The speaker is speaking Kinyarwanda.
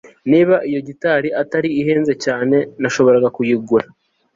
Niba iyo gitari itari ihenze cyane nashoboraga kuyigura